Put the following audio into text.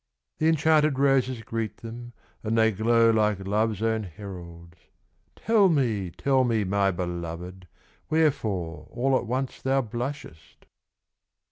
The enchanted roses greet them, And they glow like love's own heralds; "Tell me, tell me, my belovèd, Wherefore, all at once thou blushest."